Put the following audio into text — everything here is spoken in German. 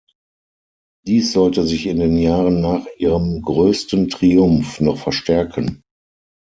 Dies sollte sich in den Jahren nach ihrem größten Triumph noch verstärken.